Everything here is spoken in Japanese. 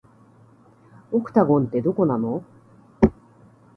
オクタゴンって、どこなの